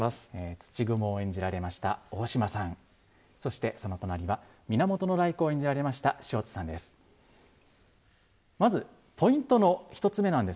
土蜘蛛を演じられました大島さん、そして、その隣は、源頼光、演じられました塩津さんです。